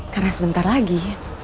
karena sebentar lagi